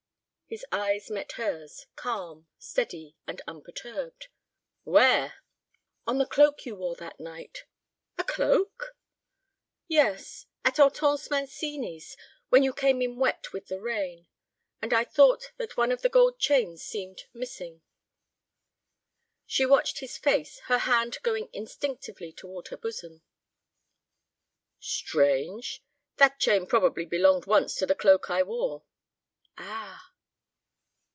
His eyes met hers, calm, steady, and unperturbed. "Where?" "On the cloak you wore that night." "A cloak?" "Yes, at Hortense Mancini's, when you came in wet with the rain. And I thought that one of the gold chains seemed missing." She watched his face, her hand going instinctively toward her bosom. "Strange! That chain probably belonged once to the cloak I wore." "Ah!"